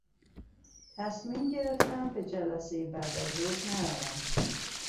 تصمیم گرفتم به جلسهی بعدازظهر نروم.